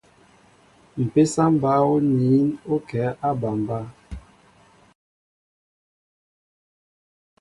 Mpésa ɓă oniin o kɛ a aɓambá.